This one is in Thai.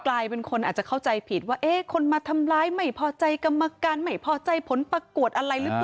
กลายเป็นคนอาจจะเข้าใจผิดว่าเอ๊ะคนมาทำร้ายไม่พอใจกรรมการไม่พอใจผลประกวดอะไรหรือเปล่า